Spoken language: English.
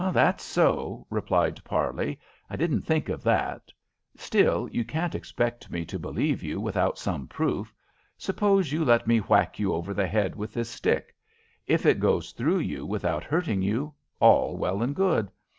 "That's so," replied Parley. "I didn't think of that. Still, you can't expect me to believe you without some proof. Suppose you let me whack you over the head with this stick? If it goes through you without hurting you, all well and good.